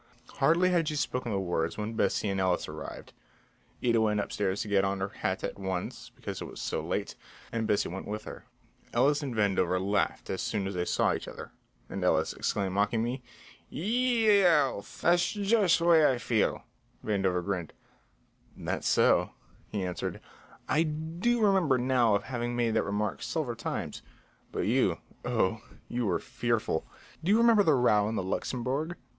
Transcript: Hardly had she spoken the words when Bessie and Ellis arrived. Ida went upstairs to get on her hat at once, because it was so late, and Bessie went with her. Ellis and Vandover laughed as soon as they saw each other, and Ellis exclaimed mockingly, "Ye e ow, thash jush way I feel." Vandover grinned: "That's so," he answered. "I do remember now of having made that remark several times. But you oh, you were fearful. Do you remember the row in the Luxembourg?